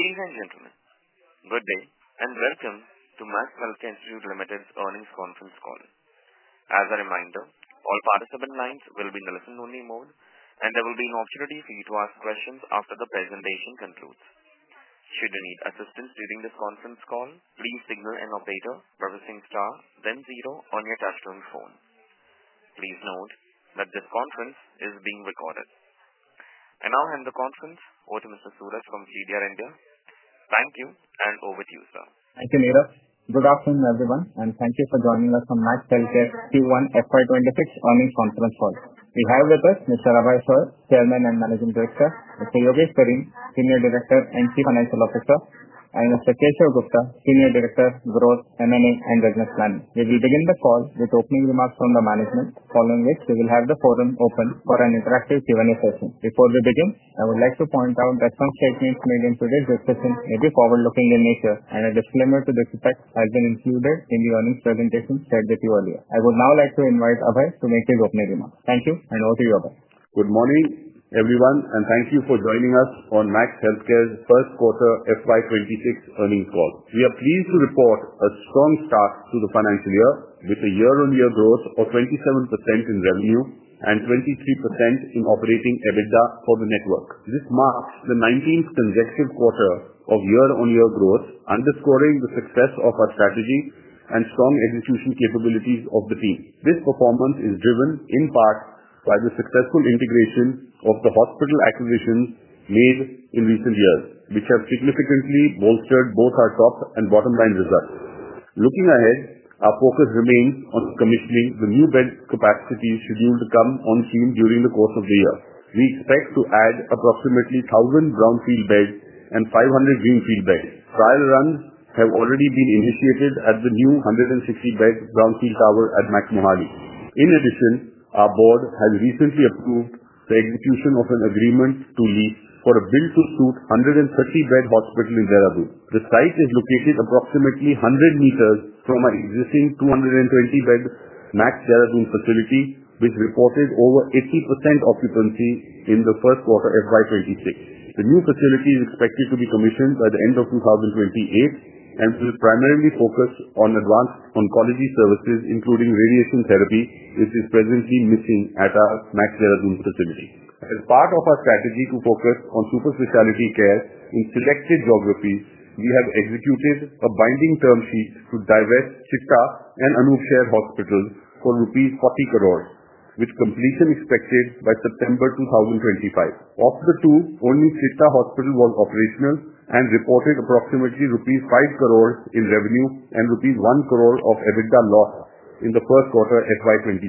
Please enter your birthday and welcome to Max Healthcare Institute Limited's Earnings Conference Call. As a reminder, all participant lines will be in the listen-only mode, and there will be an opportunity for you to ask questions after the presentation concludes. Should you need assistance during this conference call, please signal an operator by pressing star, then zero on your touch-tone phone. Please note that this conference is being recorded. I now hand the conference over to Mr. Suraj from CDR India. Thank you, and over to you, sir. Thank you, Meera. Good afternoon, everyone, and thank you for joining us from Max Healthcare Institute Limited's Q1 FY 2025 earnings conference call. We have with us Mr. Abhay Soi, Chairman and Managing Director; Mr. Yogesh Sareen, Chief Financial Officer; and Mr. Keshav Gupta, Senior Director, Growth, M&A, and Business Planning. We will begin the call with opening remarks from the management, following which we will have the forum open for an interactive Q&A session. Before we begin, I would like to point out that some statements made in today's discussion may be forward-looking in nature, and a disclaimer to this effect has been included in the earnings presentation shared with you earlier. I would now like to invite Abhay to make his opening remark. Thank you, and over to you, Abhay. Good morning, everyone, and thank you for joining us on Max Healthcare Institute Limited's first quarter FY 2026 earnings call. We are pleased to report a strong start to the financial year, with a year-on-year growth of 27% in revenue and 23% in operating EBITDA for the network. This marks the 19th transaction quarter of year-on-year growth, underscoring the success of our strategy and strong execution capabilities of the team. This performance is driven in part by the successful integration of the hospital acquisition made in recent years, which has significantly bolstered both our top and bottom line results. Looking ahead, our focus remains on committing the new bed capacity scheduled to come on scene during the course of the year. We expect to add approximately 1,000 brownfield beds and 500 greenfield beds. Trial runs have already been initiated at the new 160-bed brownfield tower at Max Mohali. In addition, our board has recently approved the execution of an agreement to meet for a build-to-suit 130-bed hospital in Dehradun. The site is located approximately 100 meters from our existing 220-bed Max Dehradun facility, which reported over 80% occupancy in the first quarter FY 2026. The new facility is expected to be commissioned by the end of 2028, and will primarily focus on advanced oncology services, including radiation therapy, which is presently missing at our Max Dehradun facility. As part of our strategy to focus on specialty care in selected geographies, we have executed a binding term sheet to divest Sita and Anup Sare Hospital for 40 crore rupees, with completion expected by September 2025. Of the two, only Sita Hospital was operational and reported approximately rupees 5 crore in revenue and rupees 1 crore of EBITDA loss in the first quarter FY 2026.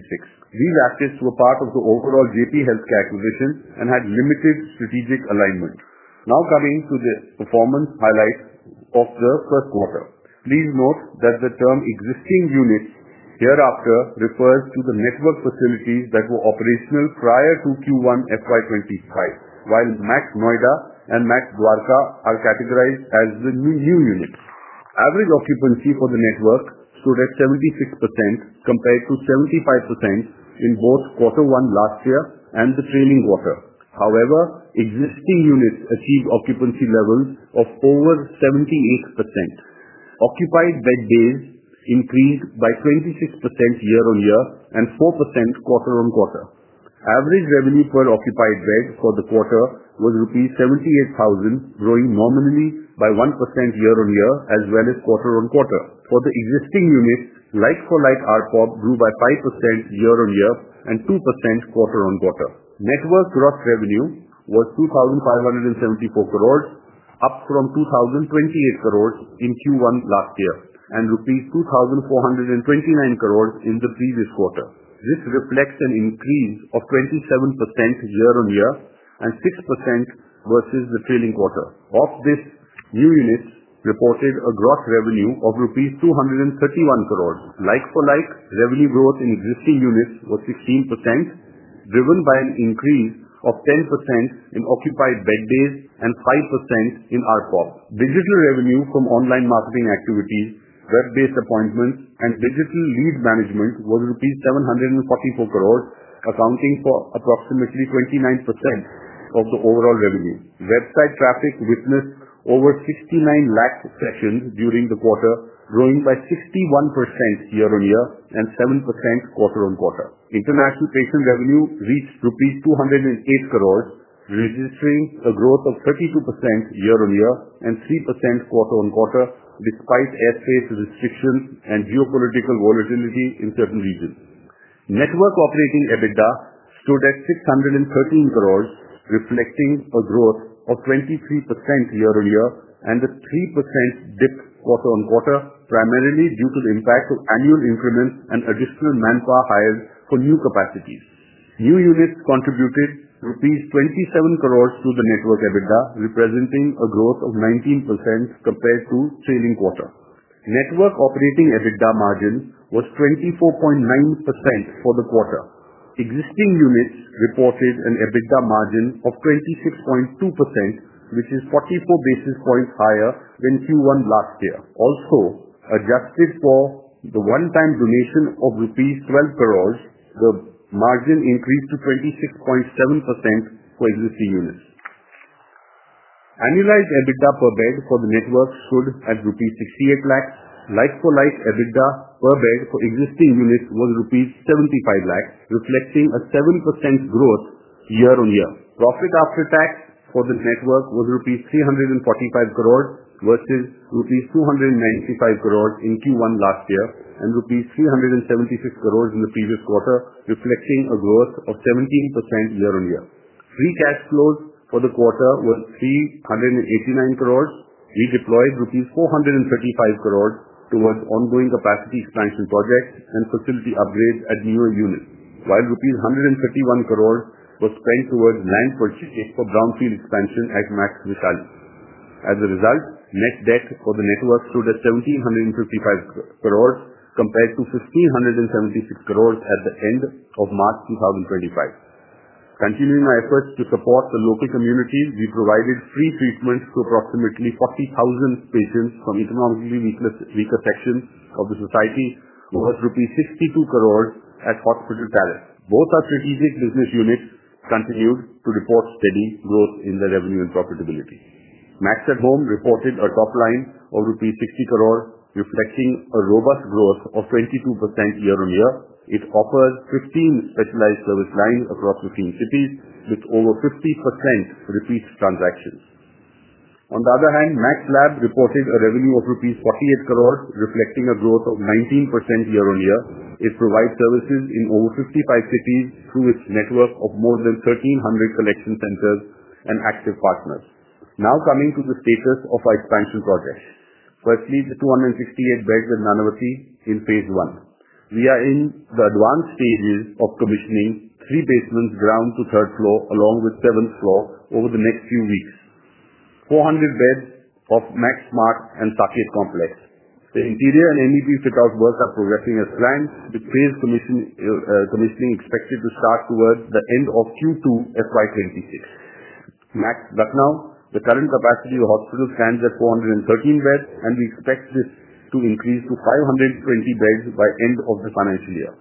These assets were part of the overall Jaypee Healthcare acquisition and had limited strategic alignment. Now coming to the performance highlights of the first quarter, please note that the term "existing units" hereafter refers to the network facilities that were operational prior to Q1 FY 2025, while Max Noida and Max Dwarka are categorized as the new units. Average occupancy for the network stood at 76% compared to 75% in both Q1 last year and the trailing quarter. However, existing units achieved occupancy levels of over 78%. Occupied beds increased by 26% year-on-year and 4% quarter-on-quarter. Average revenue per occupied bed for the quarter was rupees 78,000, growing nominally by 1% year-on-year as well as quarter-on-quarter. For the existing units, like-for-like RPOB grew by 5% year-on-year and 2% quarter-on-quarter. Network gross revenue was 2,574 crore, up from 2,028 crore in Q1 last year and rupees 2,429 crore in the previous quarter. This reflects an increase of 27% year-on-year and 6% versus the trailing quarter. Of this, new units reported a gross revenue of rupees 231 crore. Like-for-like, revenue growth in existing units was 15%, driven by an increase of 10% in occupied beds and 5% in RPOB. Digital revenue from online marketing activities, web-based appointments, and digital lead management was rupees 744 crore, accounting for approximately 29% of the overall revenue. Website traffic witnessed over 69 lakh sessions during the quarter, growing by 61% year-on-year and 7% quarter-on-quarter. International patient revenue reached rupees 208 crore, registering a growth of 32% year-on-year and 3% quarter-on-quarter despite SH restrictions and geopolitical volatility in certain regions. Network operating EBITDA stood at 613 crore, reflecting a growth of 23% year-on-year and a 3% dip quarter-on-quarter, primarily due to the impact of annual increments and additional manpower hires for new capacities. New units contributed rupees 27 crore to the network EBITDA, representing a growth of 19% compared to the trailing quarter. Network operating EBITDA margin was 24.9% for the quarter. Existing units reported an EBITDA margin of 26.2%, which is 44 basis points higher than Q1 last year. Also, adjusted for the one-time donation of rupees 12 crore, the margin increased to 26.7% for existing units. Annualized EBITDA per bed for the network stood at INR 68 lakh. Like-for-like EBITDA per bed for existing units was INR 75 lakh, reflecting a 7% growth year-on-year. Profit after tax for the network was INR 345 crore versus INR 295 crore in Q1 last year and INR 376 crore in the previous quarter, reflecting a growth of 17% year-on-year. Free cash flows for the quarter were 389 crore. We deployed rupees 435 crore towards ongoing capacity expansion projects and facility upgrades at newer units, while rupees 131 crore was spent towards land purchase for brownfield expansion at Max Noida. As a result, net debt for the network stood at 1,755 crore compared to 1,576 crore at the end of March 2025. Continuing our efforts to support the local communities, we provided free treatments to approximately 40,000 patients from economically weak affected sections of the society, worth rupees 62 crore at Hospital Palace. Both our strategic business units continued to report steady growth in their revenue and profitability. Max@Home reported a top line of rupees 50 crore, reflecting a robust growth of 22% year-on-year. It offers 15 specialized service lines across 15 cities, with over 50% repeat transactions. On the other hand, Max Lab reported a revenue of rupees 48 crore, reflecting a growth of 19% year-on-year. It provides services in over 55 cities through its network of more than 1,300 collection centers and active partners. Now coming to the status of our expansion projects. Firstly, the 268 beds in Nanavati in phase one. We are in the advanced stages of commissioning three basements, ground to third floor, along with the seventh floor over the next few weeks. 400 beds of Max Smart and Satya Complex. The interior and NEB fit-out works are progressing as planned, with phase commissioning expected to start towards the end of Q2 FY 2026. Max Lucknow, the current capacity of the hospital stands at 413 beds, and we expect this to increase to 520 beds by the end of the financial year.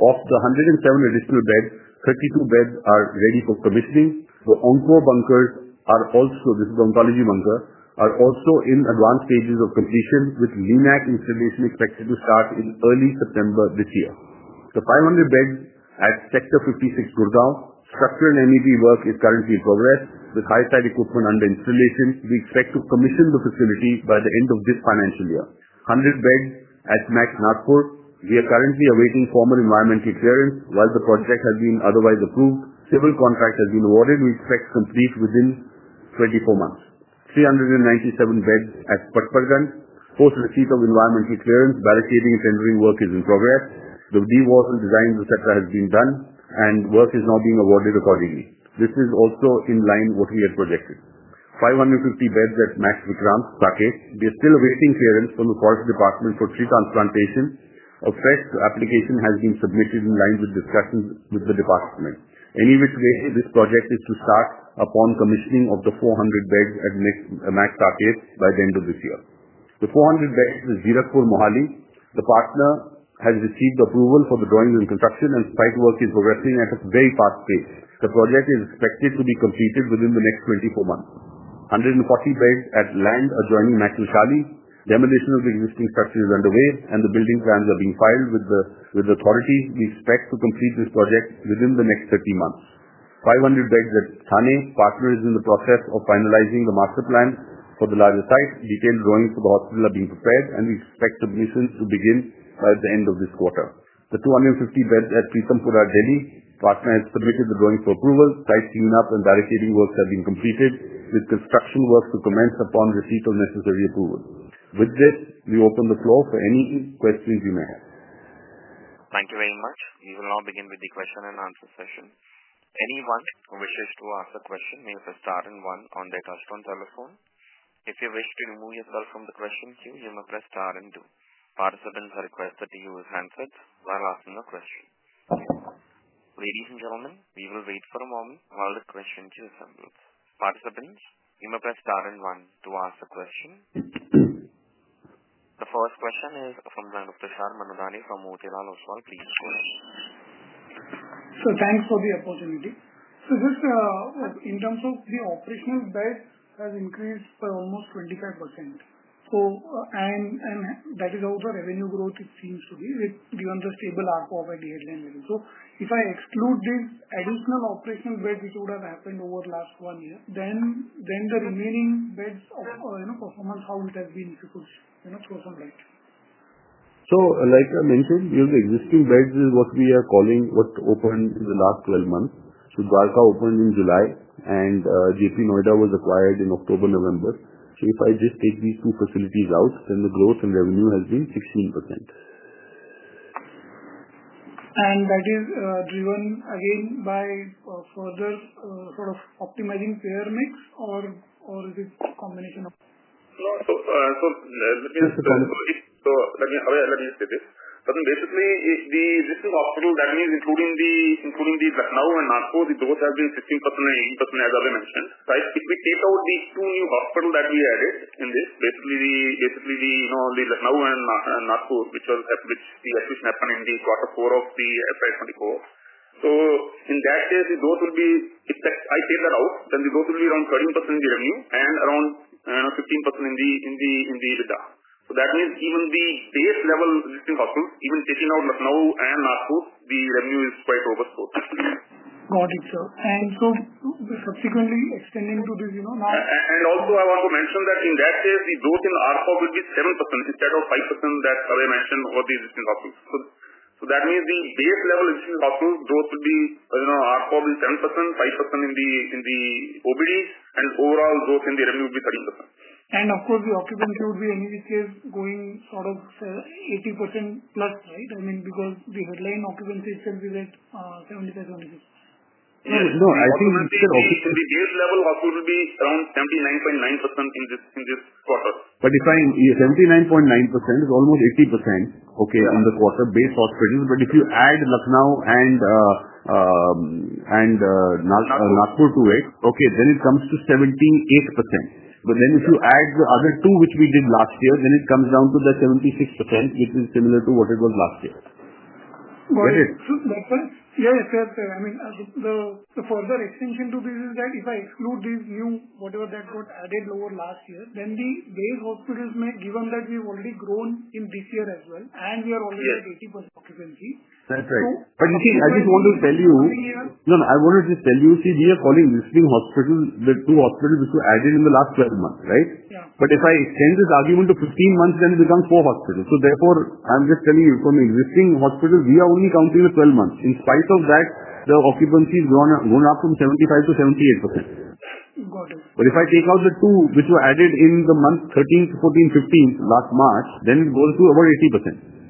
Of the 107 additional beds, 32 beds are ready for commissioning. The on-call bunkers are also, this is the oncology bunker, are also in advanced stages of completion, with LINAC installation expected to start in early September this year. The 500 beds at Sector 56 Gurgaon, structural and energy work is currently in progress, with high-tech equipment under installation. We expect to commission the facility by the end of this financial year. 100 beds at Max Nagpur, we are currently awaiting formal environmental clearance. While the project has been otherwise approved, civil contract has been awarded. We expect completion within 24 months. 397 beds at Pathpagan, post receipt of environmental clearance, barricading and tendering work is in progress. The dewatering design, etc., has been done, and work is now being awarded accordingly. This is also in line with what we had projected. 550 beds at Max Vikram, Kakhek. We are still awaiting clearance from the Quality Department for STP tanks plantation. A first application has been submitted in line with discussions with the department. Any which way, this project is to start upon commissioning of the 400 beds at Max Kakhek by the end of this year. The 400 beds at Jirakpur, Mohali. The partner has received approval for the drawings and construction, and site work is progressing at a very fast pace. The project is expected to be completed within the next 24 months. 140 beds at Land are joining Max Noida. Demolition of the existing structure is underway, and the building plans are being filed with the authorities. We expect to complete this project within the next 30 months. 500 beds at Thane, partner is in the process of finalizing the master plan for the larger site. Detailed drawings for the hospital are being prepared, and we expect commissions to begin by the end of this quarter. The 250 beds at Shalimar Bagh, Delhi, partner has submitted the drawing for approval. Site cleanup and barricading works have been completed, with construction work to commence upon receipt of necessary approval. With this, we open the floor for any questions you may have. Thank you very much. We will now begin with the question and answer session. Anyone who wishes to ask a question may press star and one on their touch-tone telephone. If you wish to remove yourself from the question queue, you may press star and two. Participants are requested to use handsets while asking a question. Ladies and gentlemen, we will wait for a moment while the question queue assembles. Participants, you may press star and one to ask a question. The first question is from Tushar Manudhane from Motiwal Oswal. Please go ahead. Thank you for the opportunity. In terms of the operational beds, it has increased by almost 25%. That is also revenue growth, it seems to be, with even the stable RPOB at the headline level. If I exclude this additional operational bed, it would have happened over the last one year. The remaining beds of, you know, performance, how it has been, if you could, you know, show some light. Like I mentioned, the existing beds is what we are calling what opened in the last 12 months. Max Dwarka opened in July, and Jaypee Noida was acquired in October, November. If I just take these two facilities out, then the growth in revenue has been 16%. Is that driven again by further optimizing share mix, or is it a combination of both? Let me just say this. That means including the, including the Lucknow and Nagpur, the growth has been 15% and 18% as I mentioned. If we take out these two new hospitals that we added in this, basically the, you know, the Lucknow and Nagpur, which the acquisition happened in the quarter four of the FY 2024, in that case, the growth will be, if I take that out, then the growth will be around 30% in the revenue and around, you know, 15% in the EBITDA. That means even the base level existing hospital, even taking out Lucknow and Nagpur, the revenue is quite over, so it's just. Got it, sir. Subsequently, extending to this, you know, now. I want to mention that in that case, the growth in RPOB will be 7% instead of 5% that I mentioned over the existing hospitals. That means the base level existing hospital growth would be, you know, RPOB is 7%, 5% in the OBD, and overall growth in the revenue will be 30%. Of course, the occupancy would be any which case going sort of 80% plus, right? I mean, because the headline occupancy itself is at 70%. No, I think when you said occupancy, the base level of occupancy would be around 79.9% in this quarter. Yeah, 79.9% is almost 80% on the quarter based on occupancy. If you add Lucknow and Nagpur to it, then it comes to 78%. If you add the other two, which we did last year, then it comes down to 76%, which is similar to what it was last year. Got it. That's us. Yeah, yeah, fair, fair. I mean, the further extension to this is that if I exclude these new, whatever that got added lower last year, then the base hospitals may, given that we've already grown in this year as well, and we are already at 80% occupancy. That's right. I just want to tell you, we are calling existing hospitals the two hospitals which were added in the last 12 months, right? If I extend this argument to 15 months, then it becomes four hospitals. Therefore, I'm just telling you, from the existing hospitals, we are only counting the 12 months. In spite of that, the occupancy has gone up from 75%-78%. If I take out the two which were added in the month 13th, 14th, 15th, last March, it goes to about 80%.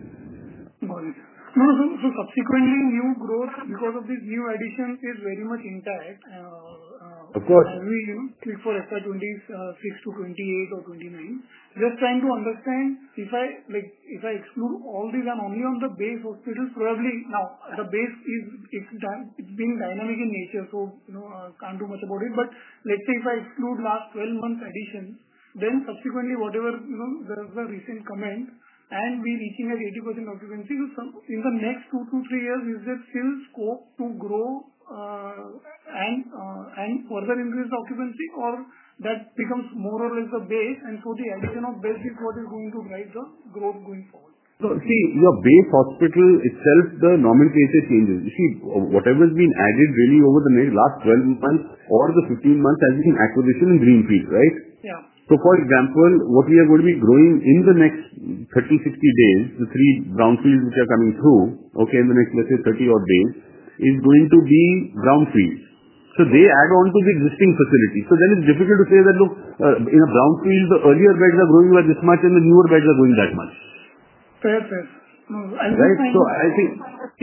Got it. No, no, subsequently, new growth because of these new additions is very much intact. Of course. Before FY 2026, to 2028 or 2029, just trying to understand, if I exclude all these and only on the base hospitals, probably now, the base is, it's being dynamic in nature, so I can't do much about it. If I exclude last 12 months addition, then subsequently whatever the recent comment, and we're reaching at 80% occupancy, in the next two to three years, is it still scoped to grow and further increase the occupancy or that becomes more or less the base, and the addition of base is what is going to drive the growth going forward? Your base hospital itself, the nomenclature changes. You see, whatever's been added really over the last 12 months or the 15 months has been acquisition and re-increase, right? Yeah. For example, what we are going to be growing in the next 30, 60 days, the three brownfields which are coming through in the next, let's say, 30 odd days, is going to be brownfields. They add on to the existing facilities. Then it's difficult to say that, look, in a brownfield, the earlier beds are growing by this much and the newer beds are growing that much. Fair, fair. I think,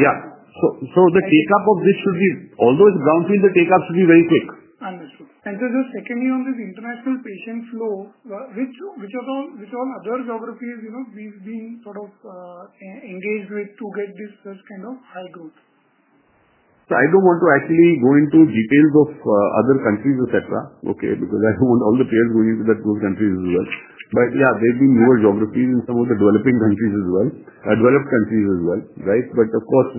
yeah, the take-up of this should be, although it's brownfield, the take-up should be very quick. Understood. Secondly, on this international patient flow, which are on other geographies, we've been sort of engaged with to get this first kind of high growth. I don't want to actually go into details of other countries, etc., because I don't want all the tears going into the two countries as well. There have been newer geographies in some of the developing countries as well, developed countries as well, right? Of course,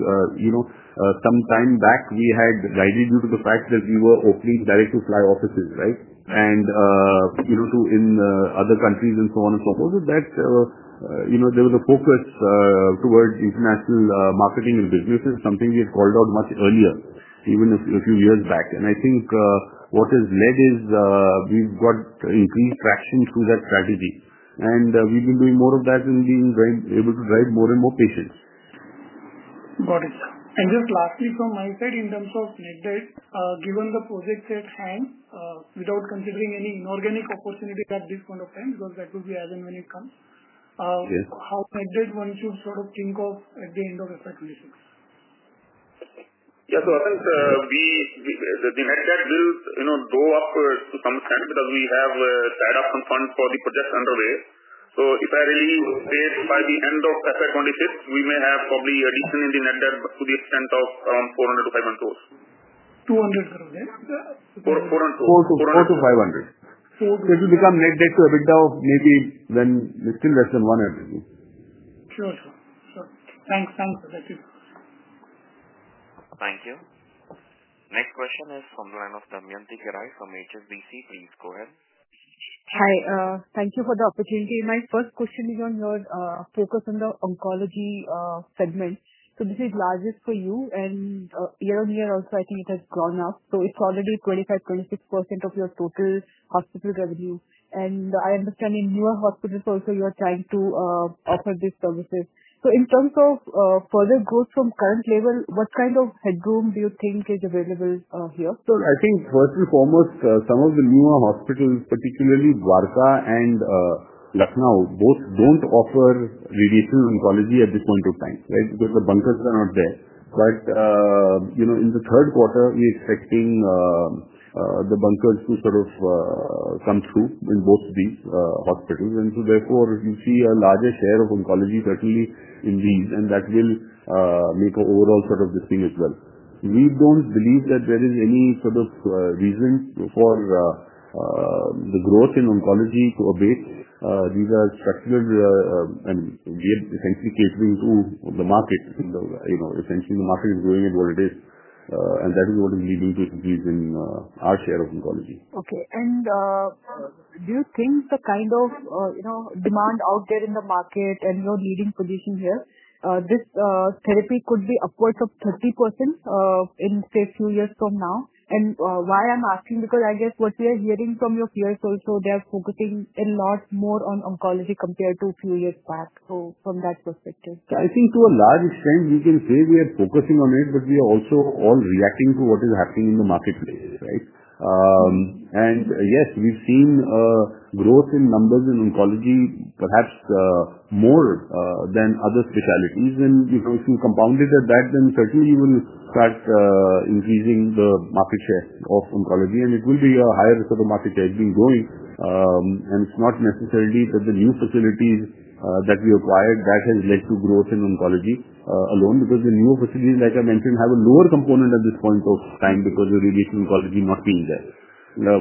some time back, we had, largely due to the fact that we were opening direct-to-fly offices, right? You know, in other countries and so on and so forth, that's, you know, there was a focus towards international marketing and business is something we had called out much earlier, even a few years back. I think what has led is, we've got increased traction through that strategy. We've been doing more of that and being able to drive more and more patients. Got it. Lastly, from my side, in terms of MedBed, given the projects at hand, without considering any inorganic opportunity at this point of time, because that will be as and when it comes, how MedBed one should sort of think of at the end of FY 2026? Yeah, I think the MedBed will go up to some extent because we have set up some funds for the projects underway. If I really say by the end of FY 2026, we may have probably reached the MedBed to the extent of [$240 billion]. Four to four to 500. It will become MedBed to EBITDA of maybe then distinguished in one or two. Sure, sure. Thanks, thanks. Thank you. Thank you. Next question is from Damayanti Kerai from HSBC. Please go ahead. Hi. Thank you for the opportunity. My first question is on your focus on the oncology segment. This is largest for you, and year on year also, I think it has gone up. It is already 25% to 26% of your total hospital revenue. I understand in newer hospitals also you are trying to offer these services. In terms of further growth from the current level, what kind of headroom do you think is available here? I think first and foremost, some of the newer hospitals, particularly Max Dwarka and Lucknow, both don't offer related oncology at this point of time, right? Because the bunkers are not there. In the third quarter, we're expecting the bunkers to sort of come through in both these hospitals. Therefore, you see a larger share of oncology certainly in these, and that will make an overall sort of this thing as well. We don't believe that there is any sort of reason for the growth in oncology to abate. These are structured, and we are essentially catering to the market. Essentially, the market is growing at what it is, and that is what is leading to increase in our share of oncology. Okay. Do you think the kind of demand out there in the market and your leading position here, this therapy could be upwards of 30% in, say, a few years from now? Why I'm asking is because I guess what we are hearing from your peers also, they are focusing a lot more on oncology compared to a few years back. From that perspective. I think to a large extent, you can say we are focusing on it, but we are also all reacting to what is happening in the marketplace, right? Yes, we've seen growth in numbers in oncology, perhaps more than other specialties. If you compound it at that, then certainly you will start increasing the market share of oncology, and it will be a higher sort of market share has been growing. It's not necessarily that the new facilities that we acquired have led to growth in oncology alone, because the newer facilities, like I mentioned, have a lower component at this point of time because of radiation oncology not being there.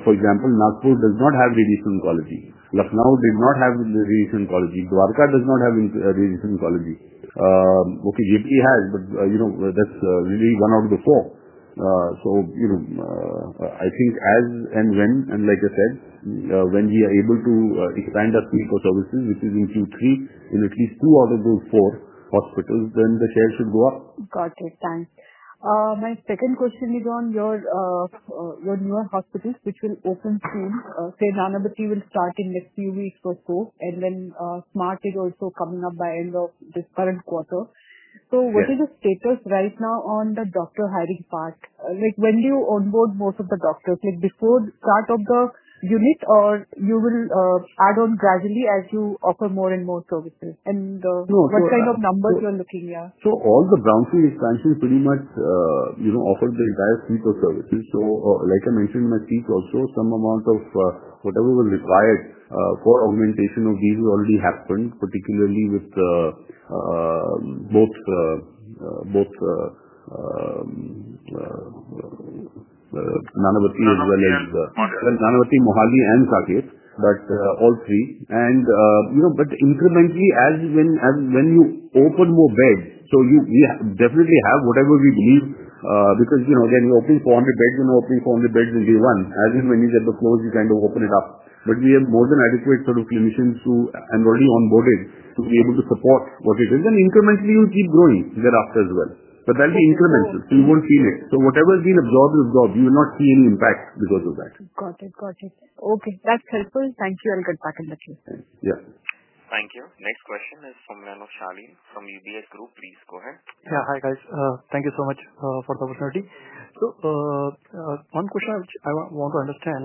For example, Nagpur does not have radiation oncology. Lucknow did not have radiation oncology. Dwarka does not have radiation oncology. Okay, Jaypee has, but, you know, that's really one out of the four. I think as and when, and like I said, when we are able to expand our field for services, which is in Q3, in at least two out of those four hospitals, then the share should go up. Got your sense. My second question is on your newer hospitals, which will open soon. Nanavati will start in the next few weeks or so, and then Smart is also coming up by the end of this current quarter. What is the status right now on the doctor hiring part? When do you onboard most of the doctors? Before the start of the unit, or will you add on gradually as you offer more and more services? What kind of numbers are you looking at? All the brownfield expansions pretty much offer the entire suite of services. Like I mentioned in my speech also, some amount of whatever was required for augmentation of these has already happened, particularly with both Nanavati as well as Nanavati, Mohali, and Satya, all three. Incrementally, as and when you open more beds, we definitely have whatever we believe, because, again, we're opening 400 beds. We're not opening 400 beds on day one. As and when you get the close, you kind of open it up. We have more than adequate sort of clinicians who are already onboarded to be able to support what it is. Then incrementally, you'll keep growing thereafter as well. That'll be incremental. You won't see this. Whatever's being absorbed is absorbed. You will not see any impact because of that. Got it. Okay. That's helpful. Thank you. I'll get back in touch with them. Yeah. Thank you. Next question is from Ranath Sharleen from UBS Group. Please go ahead. Yeah. Hi, guys. Thank you so much for the opportunity. One question I want to understand,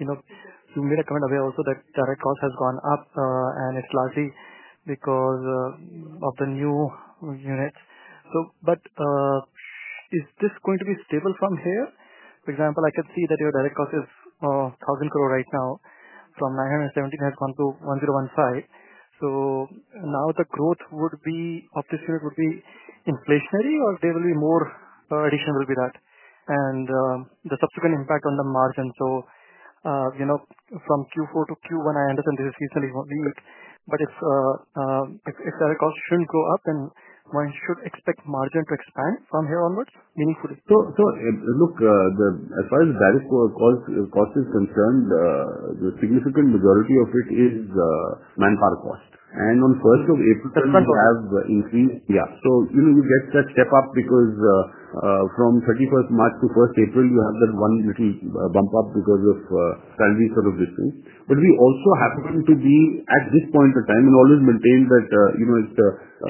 you made a comment earlier also that direct cost has gone up, and it's largely because of the new units. Is this going to be stable from here? For example, I can see that your direct cost is 1,000 crore right now, from 917 crore has gone to 1,015 crore. Now the growth of this unit would be inflationary, or there will be more addition, will be that? The subsequent impact on the margin. From Q4 to Q1, I understand this is recently only, but if direct cost shouldn't go up, then one should expect margin to expand from here onwards, meaning for this. As far as the direct cost is concerned, the significant majority of it is the manpower cost. On 1st of April, we have increased. Yeah. We get that step up because, from 31st March to 1st April, you have that one little bump up because of salary sort of this thing. We also are happy to be at this point of time and always maintain that it's the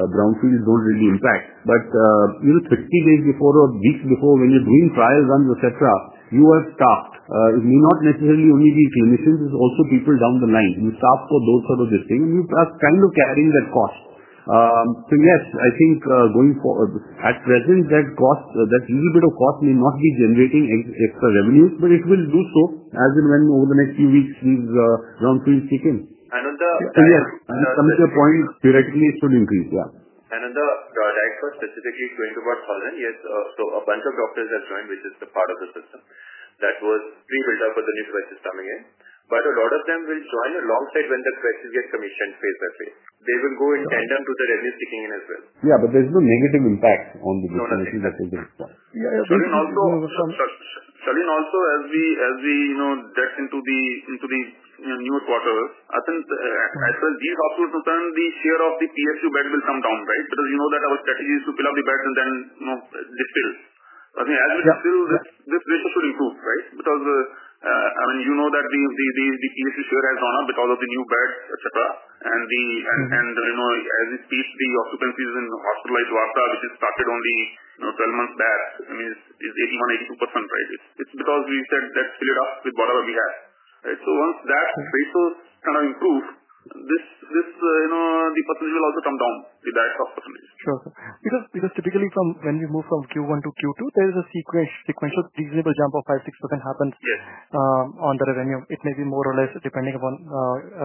brownfield, don't really impact. Thirty days before or weeks before when you're doing trial runs, etc., you are staffed. It may not necessarily only be clinicians. It's also people down the line. You staff for those sort of this thing, and you are kind of carrying that cost. Yes, I think, going forward at present, that cost, that little bit of cost may not be generating extra revenues, but it will do so as and when over the next few weeks these brownfields kick in. Yes, to your point, theoretically, it could increase. Yeah. On the direct cost specifically going to about 1,000, yes, a bunch of doctors are joining, which is the part of the system that was being built up for the new services coming in. A lot of them will join alongside when the services get commissioned phase by phase. They will go in tandem to the revenues kicking in as well. Yeah, there's no negative impacts on the commission that will be installed. Yeah. As we get into the newer quarters, I think as well these hospitals will turn, the share of the PSU beds will come down, right? You know that our strategy is to fill up the beds and then, you know, dip tills. I think as we fill this, this ratio could improve, right? I mean, you know that the PSU share has gone up because of the new beds, etc. As we speak, the occupancies in hospitals like Max Dwarka, which has started only 12 months there, I mean, is 81, 82%, right? It's because we said that's filled up with whatever we had, right? Once that ratio kind of improves, the potential also comes down with direct cost. Sure. Because typically when you move from Q1 to Q2, there is a sequence of things. For example, 5% or 6% happens on the revenue. It may be more or less depending upon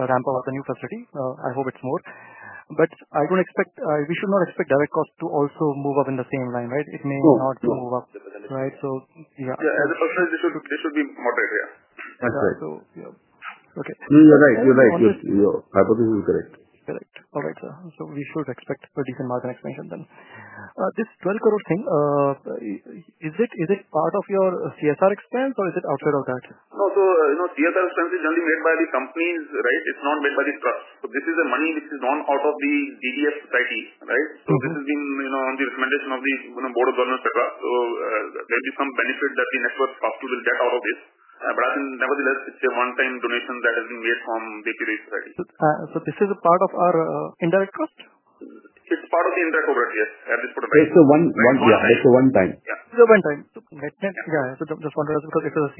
a ramp-up of the new facility. I hope it's more. I don't expect, we should not expect direct cost to also move up in the same line, right? It may not move up, right? Yeah. Yeah, as a person, this would be moderate, yeah. That's right. Yeah. Okay. No, you're right. You're right. Yes, your hypothesis is correct. Correct. All right. We should expect a decent margin expansion then. This 12 crore thing, is it part of your CSR expense or is it outside of that? No, CSR expense is generally made by the companies, right? It's not made by the trust. This is the money which is drawn out of the DGF Society, right? This has been on the recommendation of the Board of Governors, etc. There is some benefit that the network cost will get out of this. I think nevertheless, it's a one-time donation that has been made from the PDC Society. Is this a part of our indirect trust? It's part of the indirect overhead, yes, at this point of time. It's a one-time. Yeah. It's a one-time. Yeah. Just wanted to ask because it's a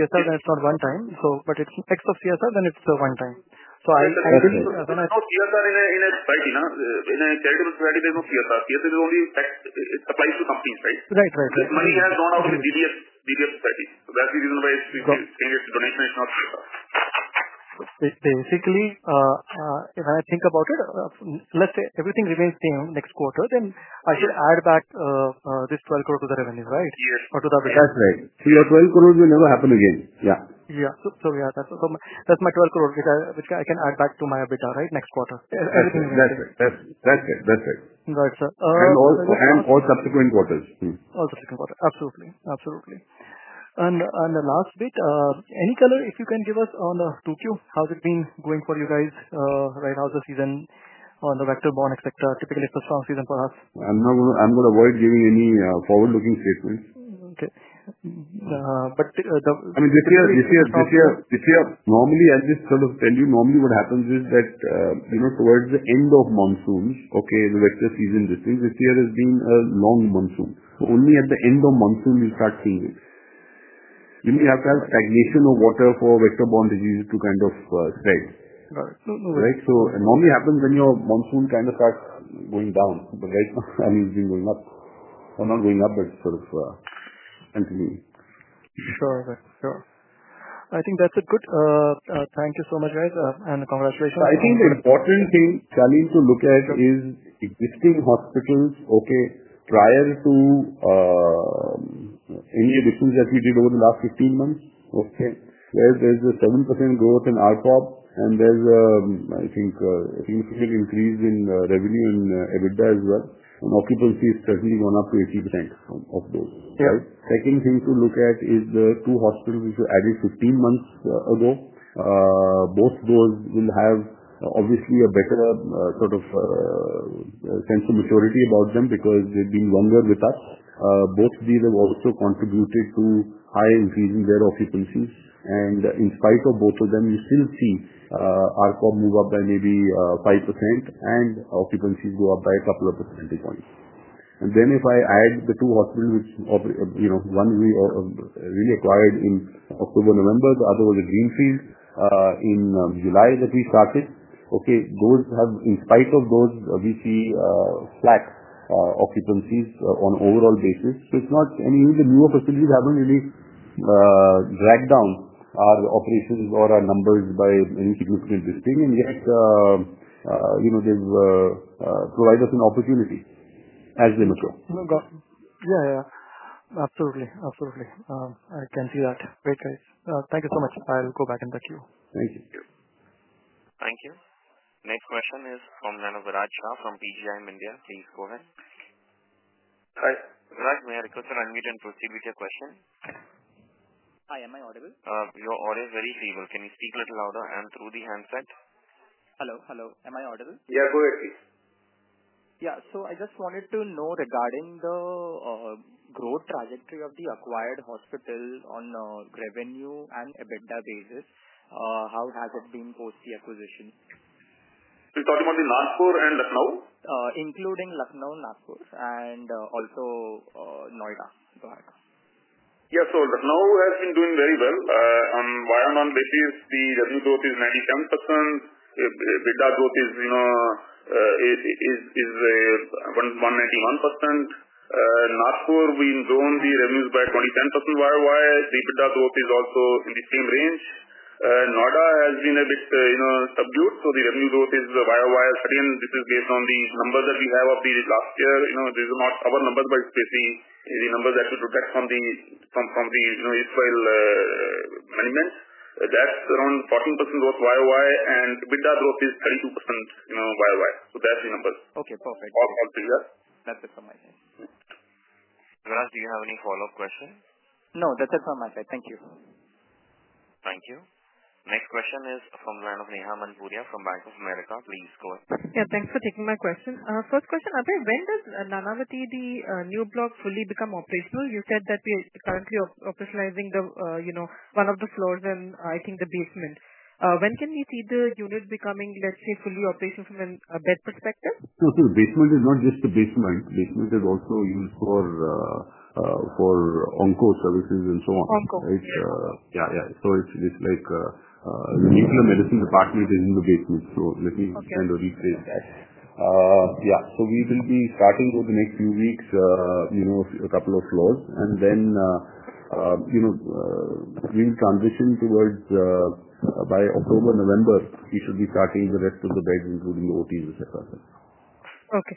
CSR, then it's not one-time. If it's X of CSR, then it's a one-time. I think. It is not CSR in a charitable society. There is no CSR. CSR only applies to companies, right? Right, right, right. The money has gone out to the DGF Society. That's the reason why it's changed its donation. It's not. If I think about it, let's say everything remains the same next quarter, then I should add back this 12 crore to the revenues, right? Yes, or to the EBITDA? That's right. Your 12 crore will never happen again. Yeah. Yeah, that's my 12 crore, which I can add back to my EBITDA, right, next quarter? That's right. That's right. That's right. Right, sir. For subsequent quarters. All subsequent quarters. Absolutely. Absolutely. The last bit, any color if you can give us on the 2Q? How's it been going for you guys right now? How's the season on the vector bond, etc.? Typically, it's a strong season for us. I'm not going to avoid giving any forward-looking statements. Okay. The. I mean, this year, this year normally, as we sort of tell you, normally what happens is that, you know, towards the end of monsoons, the vector season distinct. This year has been a long monsoon. Only at the end of monsoon we start seeing it. You may have to have stagnation of water for vector borne disease to kind of stay, right? It normally happens when your monsoon kind of starts going down, but right now, I mean, it's been continuing. Sure, sure. I think that's good, thank you so much, guys, and congratulations. I think the important thing, Sharleen, to look at is existing hospitals, okay, prior to any refuge that we did over the last 15 months, okay? Where there's a 7% growth in RPOB, and there's a, I think, a significant increase in revenue in EBITDA as well. Occupancy has certainly gone up to 80% of those, right? The second thing to look at is the two hospitals which were added 15 months ago. Both those will have obviously a better sort of sense of maturity about them because they've been longer with us. Both of these have also contributed to high increases in their occupancy. In spite of both of them, you still see RPOB move up by maybe 5% and occupancy go up by a couple of percentage points. If I add the two hospitals which, you know, one we really acquired in October-November, the other was a greenfield, in July, let's say Sita. Those have, in spite of those, we see flat occupancies on an overall basis. It is not any new facilities haven't really dragged down our operations or our numbers by any significant distinct. Yet, you know, they've provided us an opportunity as they mature. No, got it. Yeah, yeah. Absolutely. Absolutely. I can see that. Great, guys. Thank you so much. I'll go back and touch you. Thank you, sir. Thank you. Next question is on Rajat Shah from PGIM India. Please go ahead. Hi, Raj, may I request an unmute and proceed with your question? Hi. Am I audible? Your audio is very stable. Can you speak a little louder and through the handset? Hello. Am I audible? Yeah, go ahead, please. Yeah, I just wanted to know regarding the growth trajectory of the acquired hospital on a revenue and EBITDA basis. How has it been post the acquisition? You're talking about the Nagpur and Lucknow? Including Lucknow and Nagpur, and also Noida. Go ahead. Yeah. Lucknow has been doing very well. On a one-on-one basis, the revenue growth is 97%. EBITDA growth is, you know, is 191%. Nagpur will grow on the revenues by 20%, while the EBITDA growth is also in the same range. Noida has been a bit, you know, subdued. The revenue growth is, while steady, and this is based on the numbers that we have updated last year. You know, these are not our numbers, but it's basically the numbers that we look at from the, you know, Israel management. That's around 14% growth, and EBITDA growth is 32%. So that's the numbers. Okay. Perfect. Okay. Yeah. That's it from my side. Raj, do you have any follow-up question? No, that's it from my side. Thank you. Thank you. Next question is from Neha Manpuria from Bank of America. Please go ahead. Yeah, thanks for taking my question. First question, Abhay, when does Nanavati, the new block, fully become operational? You said that we are currently operationalizing one of the floors and I think the basement. When can we see the units becoming, let's say, fully operational from an EBITDA perspective? The basement is not just the basement, right? The basement is also used for on-call services and so on, right? On-call. Yeah, yeah. We're using the medicine department in the basement. Let me kind of rephrase that. We will be starting over the next few weeks, you know, a couple of floors. During the transition towards October-November, we should be starting the rest of the beds, including OTs, etc. Okay,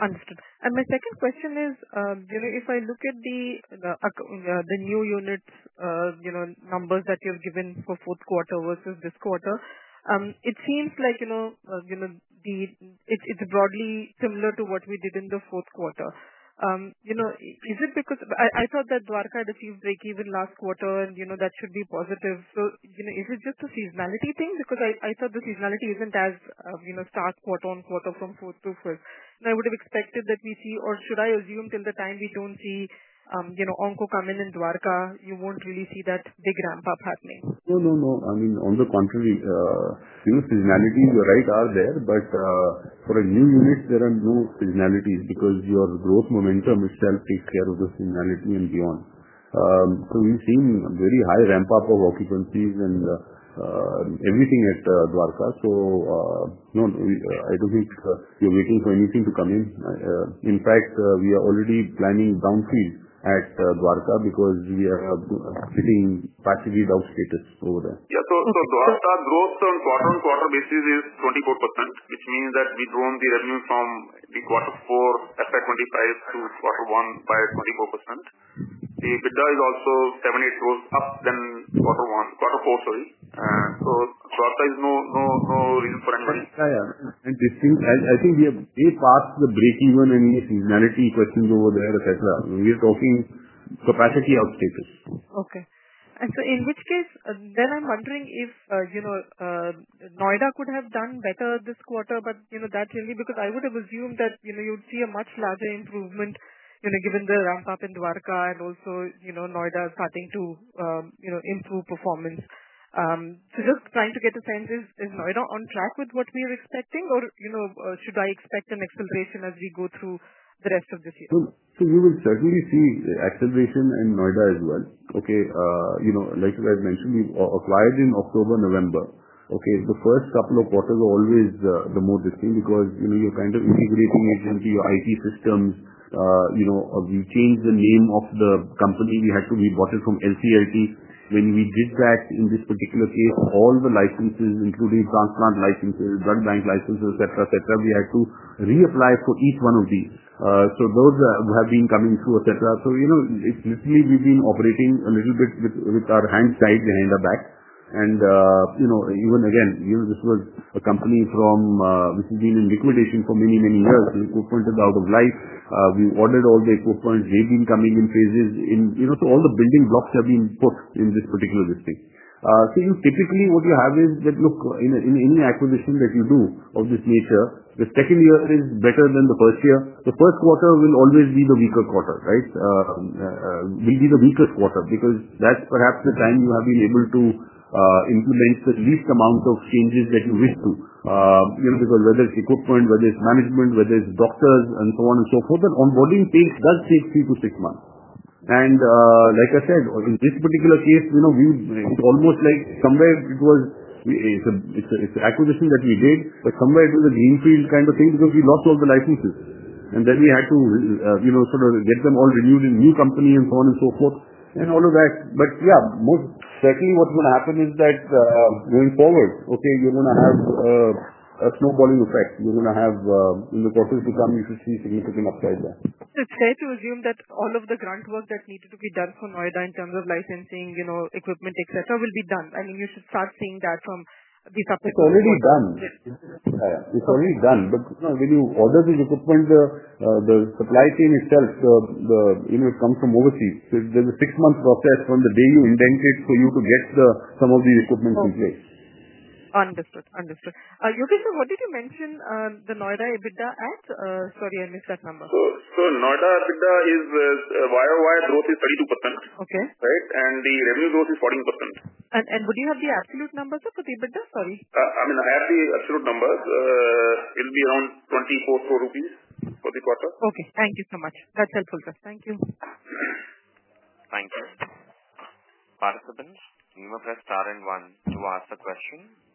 understood. My second question is, if I look at the new units, the numbers that you have given for the fourth quarter versus this quarter, it seems like it's broadly similar to what we did in the fourth quarter. Is it because I thought that Max Dwarka had achieved break even last quarter, and that should be positive? Is it just a seasonality thing? I thought the seasonality isn't as stark quarter on quarter from fourth to fifth, and I would have expected that we see, or should I assume till the time we don't see on-call come in in Max Dwarka, you won't really see that big ramp-up happening? No, I mean, on the contrary, you know, seasonalities, you're right, are there. For a new unit, there are no seasonalities because your growth momentum is still taking care of the seasonality and beyond. We've seen very high ramp-up of occupancies and everything at Max Dwarka. No, I don't think you're waiting for anything to come in. In fact, we are already planning brownfields at Max Dwarka because we are fitting facility down status over there. Yeah. Dwarka growth on quarter-on-quarter basis is 24%, which means that we drove the revenue from the quarter four FY 2025 to quarter one by 24%. The EBITDA is also seven, eight crores up than quarter one, quarter four, sorry. Dwarka is no, no, no reason for anybody. Yeah, yeah. This thing has, I think we have way past the breakeven and the seasonality questions over there, etc. We are talking capacity out status. Okay. In which case, then I'm wondering if, you know, Noida could have done better this quarter, but you know, that really because I would have assumed that, you know, you would see a much larger improvement, you know, given the ramp-up in Dwarka and also, you know, Noida starting to, you know, improve performance. I'm just trying to get a sense, is Noida on track with what we are expecting? Or, you know, should I expect an acceleration as we go through the rest of this year? You will certainly see acceleration in Noida as well, okay. Like I mentioned, we acquired in October-November, okay? The first couple of quarters are always more distinct because you're kind of integrating HMC, your IT system. We changed the name of the company. We had to re-board it from LCRT. When we did that in this particular case, all the licenses, including transplant licenses, blood bank licenses, etc., we had to reapply for each one of these. Those have been coming through, etc. It's literally we've been operating a little bit with our hands tied behind our back. Even again, this was a company which has been in liquidation for many, many years. The equipment is out of life. We ordered all the equipment. They've been coming in phases. All the building blocks have been put in this particular listing. Typically what you have is that, look, in any acquisition that you do of this nature, the second year is better than the first year. The first quarter will always be the weaker quarter, right? It will be the weakest quarter because that's perhaps the time you have been able to implement the least amount of changes that you wish to. Whether it's equipment, whether it's management, whether it's doctors, and so on and so forth, that onboarding does take three to six months. Like I said, in this particular case, it's almost like somewhere it was an acquisition that we did, but somewhere it was a greenfield kind of thing because we lost all the licenses. We had to get them all renewed in the new company and so on and so forth and all of that. Most certainly what's going to happen is that, going forward, you're going to have a snowballing effect. In the quarter to come, you should see significant upside there. It's fair to assume that all of the grant work that needed to be done for Max Noida in terms of licensing, equipment, etc., will be done. You should start seeing that from the subsequent quarters. It's already done. Yeah, it's already done. When you order this equipment, the supply chain itself, you know, it comes from overseas. There's a six-month process from the day you indent it for you to get some of the equipment in place. Understood. Understood. Your question, what did you mention? The Noida EBITDA at? Sorry, I missed that number. Noida EBITDA growth is 32%, right? The revenue growth is 14%. Would you have the absolute numbers of the EBITDA? Sorry. I mean, I have the absolute numbers. It'll be around INR 24 crore for the quarter. Okay. Thank you so much. That's helpful, sir. Thank you. Thank you. Participants, you may press star and one to ask a question.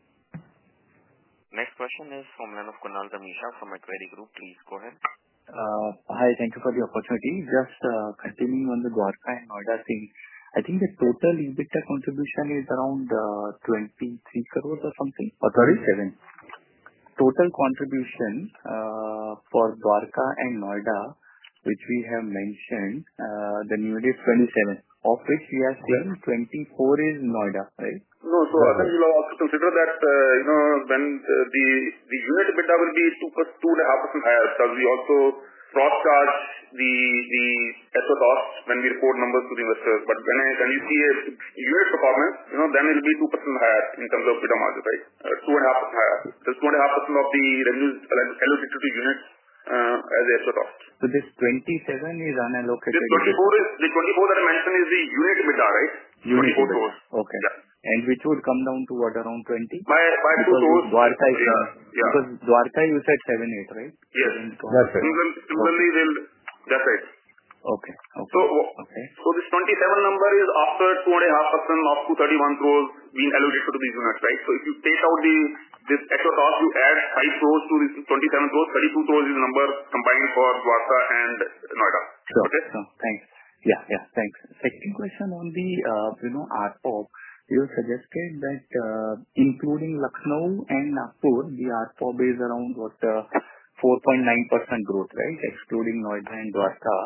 Next question is from Kunal Kamesha from Equity Group. Please go ahead. Hi. Thank you for the opportunity. Just, assuming on the Dwarka and Noida thing, I think the total EBITDA contribution is around 23 crore or something or 37. Total contribution, for Dwarka and Noida, which we have mentioned, the new unit is 27, of which we have here 24 is Noida, right? I think you know also to figure that when the unit EBITDA will be 2.5% higher. We also cross-charge the effort cost when we record numbers to the investors. When you see a unit performance, then it'll be 2% higher in terms of EBITDA margin, 2.5% higher. So 2.5% of the revenues allocated to the unit as the effort cost. This 27 is on a location. The 24 is the 24 that I mentioned, is the unit EBITDA, right? Unit EBITDA. INR 24 crores. Okay. Which would come down to what, around 20 crores? By INR 24 crore. Because Max Dwarka, you said 7, 8, right? Yes. 7 crores. That's right. INR 24 crore. That's right. Okay. Okay. This 27 number is after 2.5% lost to 31 crores being allocated to these units, right? If you take out this effort cost, you add 5 crores to this 27 crores, 32 crores is the number combined for Max Dwarka and Max Noida, okay? Got it. Thanks. Yeah, thanks. Second question on the RPOB. You were suggesting that, including Lucknow and Nagpur, the RPOB is around what, the 4.9% growth, right, excluding Noida and Dwarka?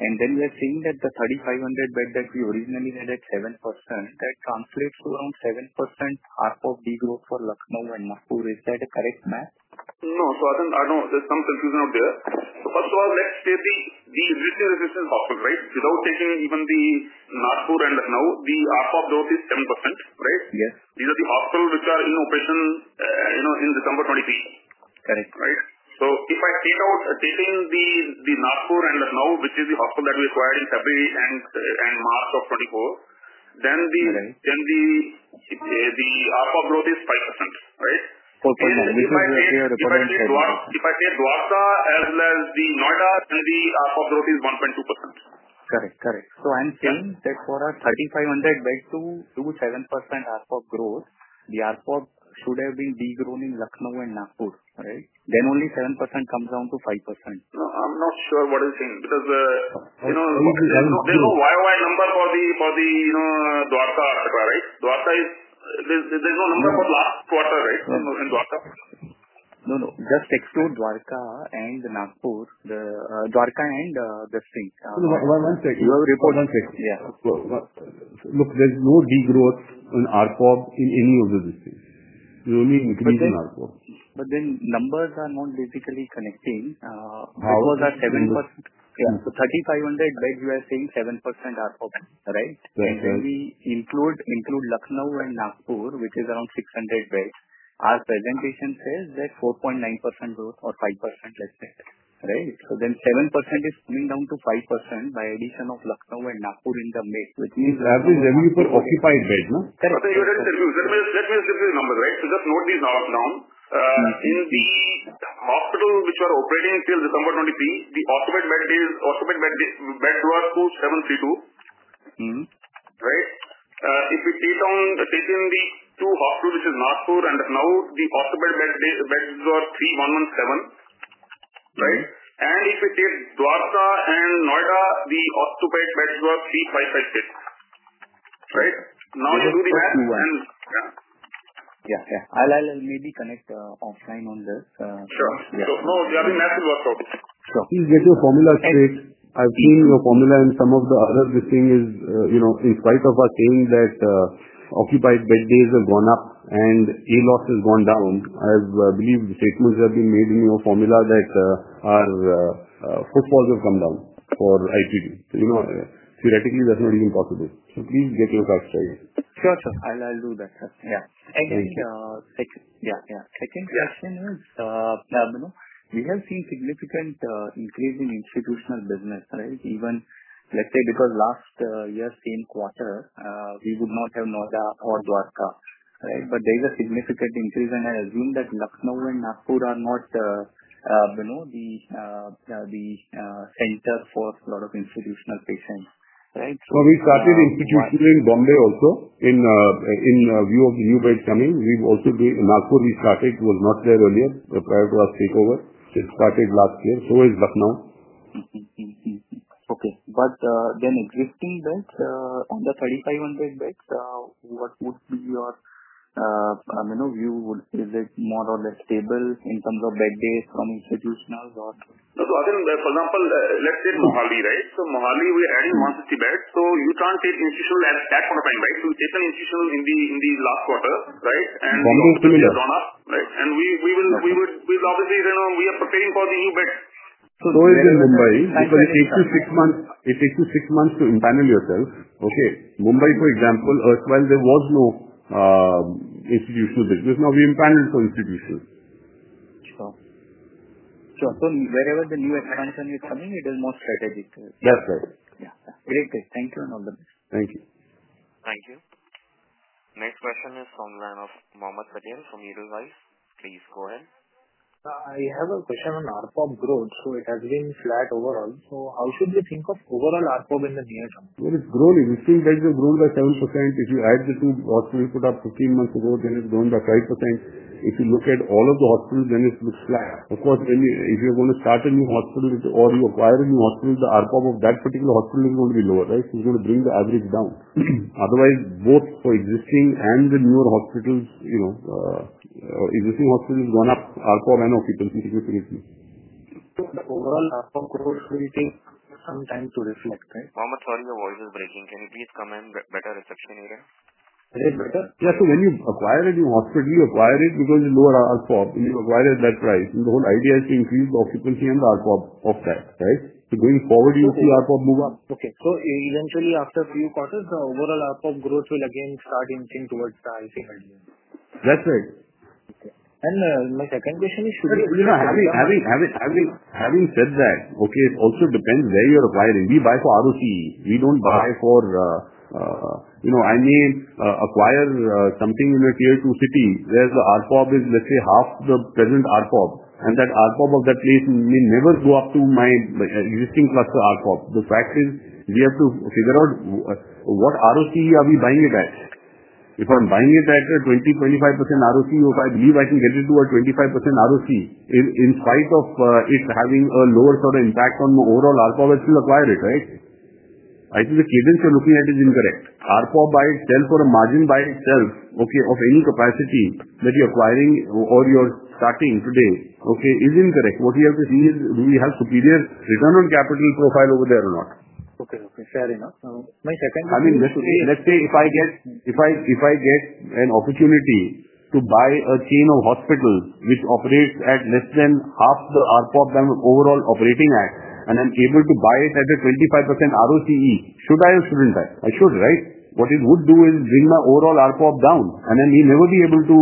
We're seeing that the 3,500 beds that we originally had at 7%, that translates to around 7% RPOB degrowth for Lucknow and Nagpur. Is that a correct math? No, I think I know there's some confusion out there. First of all, let's take the existing hospitals, right? Without taking even the Nagpur and Lucknow, the RPOB growth is 10%, right? Yes. These are the hospitals which are in operation, you know, in December 2023, right? Correct. If I take out Nagpur and Lucknow, which is the hospital that we acquired in February and March of 2024, then the RPOB growth is 5%, right? 4.1. This is my initial reference. If I take Max Dwarka as well as Max Noida, see the RPOB growth is 1.2%. Correct. Correct. I'm saying that for our 3,500 beds, to 2% RPOB growth, the RPOB should have been degrown in Lucknow and Nagpur, right? Only then 7% comes down to 5%. No, I'm not sure what you're saying because there's no YOY number for the Dwarka RPOB, right? There's no number for Dwarka, right, in Dwarka. No, no. Just exclude Max Dwarka and Nagpur, Max Dwarka and the thing. One sec. You have a record, one sec. Yeah. Look, there's no degrowth in RPOB in any of the listings. The only increase in RPOB. The numbers are not basically connecting. How was that 7%? For 3,500 beds, you are seeing 7% RPOB, right? Right. If we include Lucknow and Nagpur, which is around 600 beds, our presentation says that 4.9% growth or 5% less than, right? 7% is still down to 5% by addition of Lucknow and Nagpur in the mix, which means. I mean, we've got 85 beds, no? That means this is the number, right? Just note this down. In the hospitals which were operating till December 2023, the ortho beds were 2,732, right? If we take in the two hospitals, which is Nagpur and Lucknow, the ortho beds were 3,117, right? If we take Dwarka and Noida, the ortho beds were 3,556, right? Now we're moving. Yeah, I'll maybe connect offline on that. Sure, no, they are in active workshops. Please get your formula straight. I've seen your formula, and some of the other thing is, you know, in spite of us saying that occupied bed days have gone up and A loss has gone down, I believe the statements have been made in your formula that our footfalls have gone down for ICD. You know, theoretically, that's not even possible. Please get your cards straight. Sure, sir. I'll do that. Thank you. Yeah, yeah. Second question is, you know, we have seen significant increase in institutional business, right? Even let's say because last year, same quarter, we would not have Noida or Dwarka, right? There's a significant increase, and I assume that Lucknow and Nagpur are not, you know, the center for a lot of institutional patients, right? We started institutionally in Bombay also. In view of the new beds coming, we've also been Nagpur restarted. It was not there earlier, prior to our takeover. It started last year. So is Lucknow. Okay. Then existing beds, the 3,500 beds, what would be your, I mean, view? Is it more or less stable in terms of bed days from institutionals or? For example, let's say Mohali, right? Mohali, we're adding 150 beds. You can't take institutional as that for a time, right? We'll take an institutional in the last quarter, right? Moment of familiar. It's gone up, right? We would, we've obviously, you know, we are preparing for the EBITDA. Those in Mumbai, right? It takes you six months. It takes you six months to implant yourself. Mumbai, for example, as well, there was no institutional business. Now we implanted some institutions. Sure. Wherever the new expansion is coming, it is more strategic. That's right. Very good. Thank you, [Anoop]. Thank you. Thank you. Next question is from Ranath Mohammed Patel from Edelweiss. Please go ahead. I have a question on RPOB growth. It has been flat overall. How should we think of overall RPOB in the near term? It is growing. We think that you've grown by 7%. If you add the two hospitals put up 15 months ago, then it's grown by 5%. If you look at all of the hospitals, then it looks flat. Of course, if you're going to start a new hospital or you acquire a new hospital, the RPOB of that particular hospital is going to be lower, right? You are going to bring the average down. Otherwise, both for existing and the newer hospitals, you know, existing hospitals have gone up RPOB and occupancy significantly. What do you think about the overall RPOB growth? Sometimes solutions. Right? Yogesh Sareen, your voice is breaking. Can you please come in? Better reception area? Is it better? Yeah. When you acquire a new hospital, you acquire it because you lower RPOB. You acquire it at that price. The whole idea is to increase the occupancy and the RPOB of that, right? Going forward, you see RPOB move up. Okay. Eventually, after a few quarters, the overall RPOB growth will again start inching towards the highest level? That's right. Okay. My second question is to. Having said that, it also depends where you're acquiring. We buy for ROCE. We don't buy for, you know, I may acquire something in a tier two city where the RPOB is, let's say, half the present RPOB. That RPOB of that place may never go up to my existing class of RPOB. The fact is we have to figure out what ROCE are we buying it at. If I'm buying it at a 20% or 25% ROCE, or if I believe I can get it to a 25% ROCE, in spite of it having a lower sort of impact on the overall RPOB, I'd still acquire it, right? I think the cadence you're looking at is incorrect. RPOB by itself or a margin by itself, of any capacity that you're acquiring or you're starting today, is incorrect. What you have to see is do we have superior return on capital profile over there or not? Okay. Fair enough. My second. Let's say if I get an opportunity to buy a chain of hospitals which operates at less than half the RPOB than overall operating at, and I'm able to buy it at a 25% ROCE, should I or shouldn't I? I should, right? What it would do is bring my overall RPOB down. We'll never be able to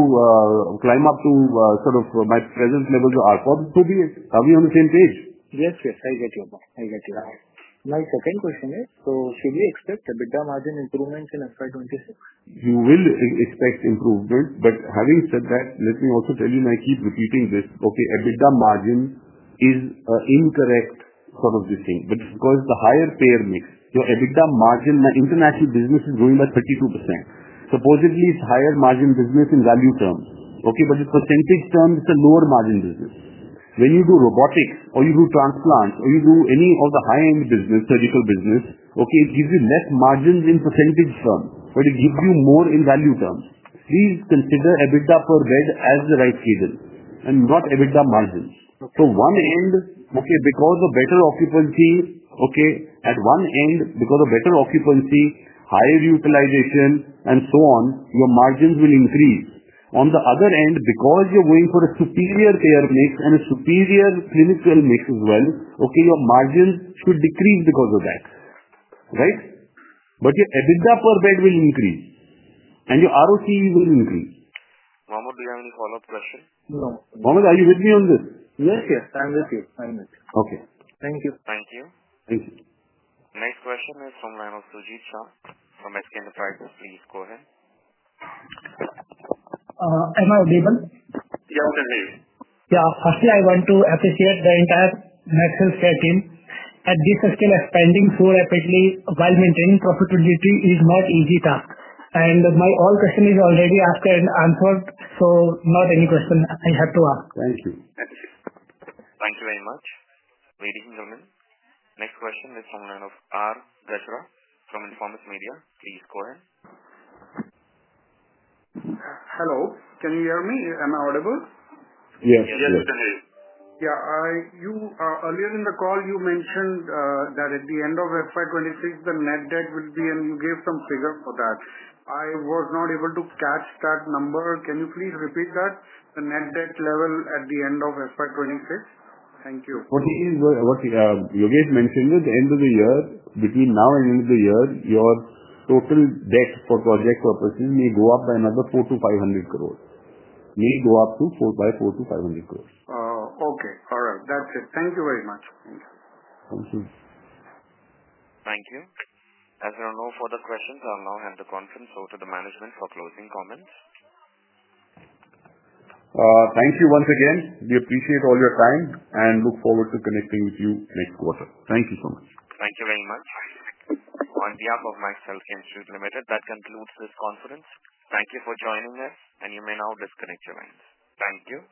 climb up to sort of my present levels of RPOB. Could we be coming on the same page? Yes, yes. I get your point. My second question is, should we expect EBITDA margin improvements in FY 2026? You will expect improvement. Having said that, let me also tell you, and I keep repeating this, EBITDA margin is an incorrect sort of this thing. Because the higher payer mix, your EBITDA margin, my international business is growing by 32%. Supposedly, it's a higher margin business in value term. It's a percentage term, it's a lower margin business. When you do robotics or you do transplants or you do any of the high-end business, surgical business, it gives you less margins in percentage term, but it gives you more in value terms. Please consider EBITDA per bed as the right season and not EBITDA margins. At one end, because of better occupancy, at one end, because of better occupancy, higher utilization, and so on, your margins will increase. On the other end, because you're going for a superior payer mix and a superior clinical mix as well, your margins should decrease because of that, right? Your EBITDA per bed will increase, and your ROCE will increase. Mohammed, do you have any follow-up questions? Mohammed, are you with me on this? Yes, yes. I'm with you. I'm with you. Okay. Thank you. Thank you. Thank you. Next question is from Ranath Suji Shah from SK Enterprises. Please go ahead. Am I audible? Yeah, okay. Yeah. Firstly, I want to appreciate the entire National STRATE team. At this hospital, expanding so rapidly while maintaining profitability is not easy though. All my questions are already asked and answered. I do not have any question to ask. Thank you. Thank you. Thank you very much. Ladies and gentlemen, next question is from Ranath R. Deshra from Informat Media. Please go ahead. Hello. Can you hear me? Am I audible? Yes, yes, I can hear you. Yeah. You, earlier in the call, you mentioned that at the end of FY 2026, the net debt will be, and you gave some figures for that. I was not able to catch that number. Can you please repeat that? The net debt level at the end of FY 2026? Thank you. What you just mentioned at the end of the year, between now and the end of the year, your total debt for project purposes may go up by another 400-500 crore. May go up to 400 by 400-500 crore. Okay. All right. That's it. Thank you very much. Thank you. Thank you. Thank you. As there are no further questions, I'll now hand the conference over to the management for closing comments. Thank you once again. We appreciate all your time and look forward to connecting with you next quarter. Thank you so much. Thank you very much. On behalf of Max Healthcare Institute Limited, that concludes this conference. Thank you for joining us, and you may now disconnect your ends. Thank you.